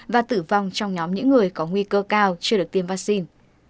và tử vong trong nhóm những người có nguy cơ cao chưa được tiêm vaccine